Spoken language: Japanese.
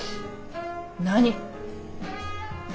何！